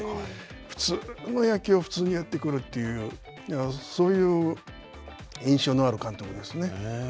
普通の野球を普通にやってくるというそういう印象のある監督ですね。